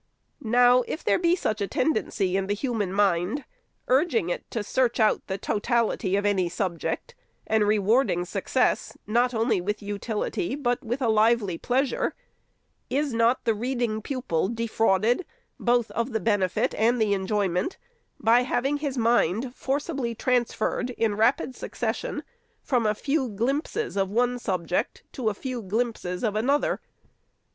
Now, if there be such a tendency in the human mind, urging it to search out the totality of any subject, and rewarding success, not only with utility, but with a lively pleasure, is not the reading pupil defrauded both of the benefit and the enjoyment, by having his mind forcibly transferred, in rapid succession, from a few glimpses of one subject to as few glimpses of another